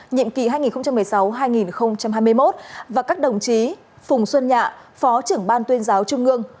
nhiệm kỳ hai nghìn một mươi sáu hai nghìn hai mươi một và các đồng chí phùng xuân nhạ phó trưởng ban tuyên giáo trung ương